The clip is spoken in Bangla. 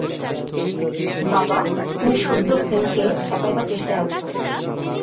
বাবা, তুমি-সুদ্ধ হেমকে খেপাইবার চেষ্টায় আছ।